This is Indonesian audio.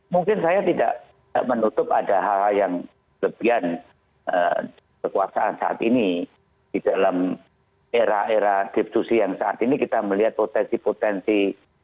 mungkin saya tidak menutup ada hal hal yang lebihan kekuasaan saat ini di dalam era era debtusi yang saat ini kita melihat potensi potensi